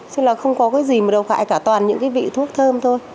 chứ là không có cái gì mà đồ khải cả toàn những cái vị thuốc thơm thôi